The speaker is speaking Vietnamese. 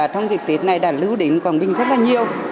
trong dịp tết này đã lưu đến quảng bình rất là nhiều